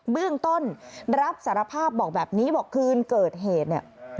เบื้องต้นรับสารภาพบอกแบบนี้บอกคืนเกิดเหตุเนี่ย